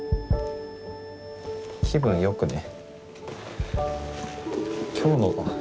気分良くね。